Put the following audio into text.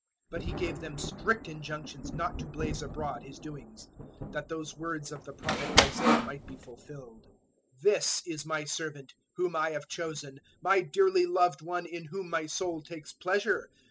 012:016 But He gave them strict injunctions not to blaze abroad His doings, 012:017 that those words of the Prophet Isaiah might be fulfilled, 012:018 "This is My servant whom I have chosen, My dearly loved One in whom My soul takes pleasure.